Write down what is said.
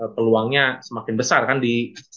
peluangnya semakin besar kan di